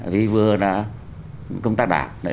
vì vừa là công tác đảng